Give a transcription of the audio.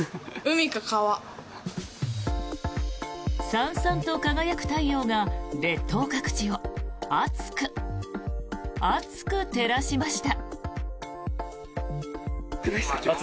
さんさんと輝く太陽が列島各地を暑く、熱く照らしました。